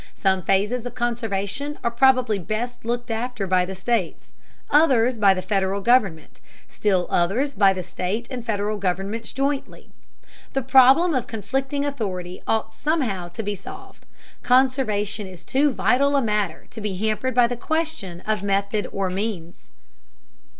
Some phases of conservation are probably best looked after by the states, others by the Federal government, still others by the state and Federal governments jointly. The problem of conflicting authority ought somehow to be solved. Conservation is too vital a matter to be hampered by the question of method or means.